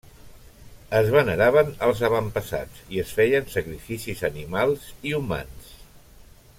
Es veneraven els avantpassats i es feien sacrificis animals i humans.